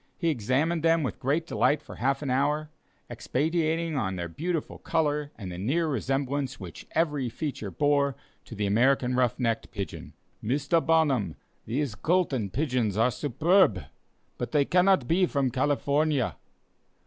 He examined them with great delight for half an hour, expatiating upon their beautiful color and the near resemblance which every feature bore to the American ruff necked pigeon. He soon came to my office, and said: "Mr. Barnum, these golden pigeons are superb, but they cannot be from California.